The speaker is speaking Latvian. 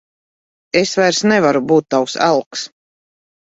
Es vairs nevaru būt tavs elks.